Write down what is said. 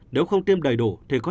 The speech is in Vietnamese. nếu không tiêm đầy đủ thì có